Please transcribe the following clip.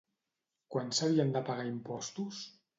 Quan s'havien de pagar impostos?